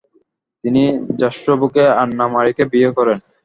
তিনি জাৎস্বুর্গে আন্না মারিয়াকে বিয়ে করেন।